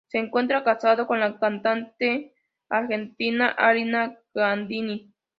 Se encuentra casado con la cantante argentina Alina Gandini.